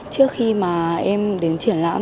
trước khi mà em đến trường